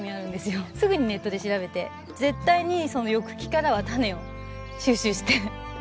すぐにネットで調べて絶対に翌期からは種を収集して。